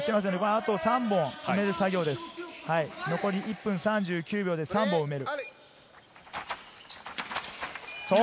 あと３本を埋める作業です、残り１分３９秒で３本を埋める。